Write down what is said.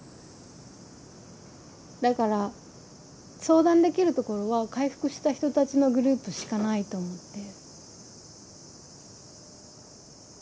だから相談できるところは回復した人たちのグループしかないと思って。